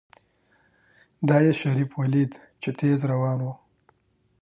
دا يې شريف وليد چې تېز روان و.